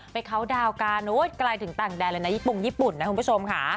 ไปเขาดาวกาโอ๊ยกลายถึงต่างแดนเลยนะญี่ปุ่งญี่ปุ่นนะคุณผู้ชมค่ะ